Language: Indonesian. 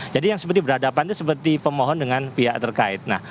jadi yang seperti berhadapan itu seperti pemohon dengan pihak terkait